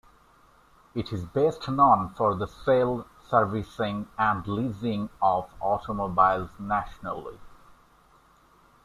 It is best known for the sale, servicing and leasing of automobiles nationally.